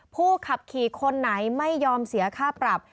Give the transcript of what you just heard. ผู้ขับขี่คนไหนไม่ยอมเสียค่าปรับ